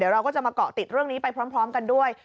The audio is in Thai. เราก็จะมาเกาะติดเรื่องนี้ไปพร้อมกันด้วย